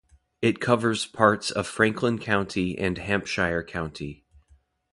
It covers parts of Franklin County and Hampshire County.